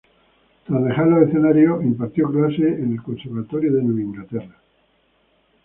Tras dejar los escenarios, impartió clases en el Conservatorio de Nueva Inglaterra.